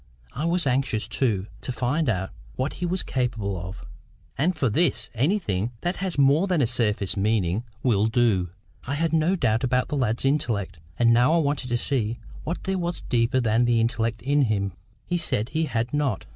I was anxious, too, to find out what he was capable of. And for this, anything that has more than a surface meaning will do. I had no doubt about the lad's intellect, and now I wanted to see what there was deeper than the intellect in him. He said he had not.